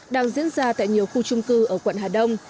đang diễn ra tại nhiều khu trung cư ở quận hà đông